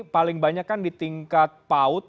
paling banyak kan di tingkat paut